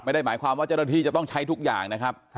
ไม่ได้หมายความว่าเจ้าหน้าที่จะต้องใช้ทุกอย่างนะครับ